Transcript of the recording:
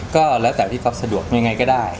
ก็แล้วแต่พี่ซับสะดวกแน่ง่ายก็ได้